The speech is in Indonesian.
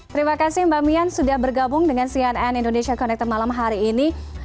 terima kasih mbak mian sudah bergabung dengan cnn indonesia connected malam hari ini